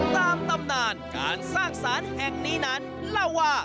ตำนานการสร้างสารแห่งนี้นั้นเล่าว่า